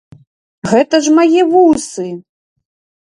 Гэта ж мае вусы!